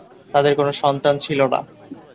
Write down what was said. তাদের কোনো সন্তান ছিল না।